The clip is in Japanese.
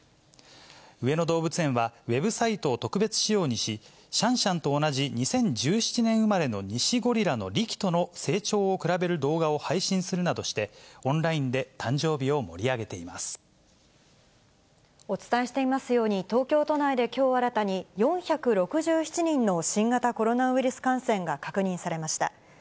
上野動物園は、ウェブサイトを特別仕様にし、シャンシャンと同じ２０１７年生まれのニシゴリラのリキとの成長を比べる動画を配信するなどして、オンラインで誕生日を盛り上げてお伝えしていますように、東京都内できょう新たに、お天気は杉江さんです。